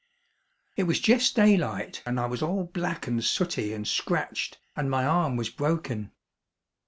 It was jes' daylight and I was all black and sooty and scratched and my arm was broken.